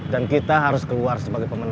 dan kita harus keluar sebagai pemenang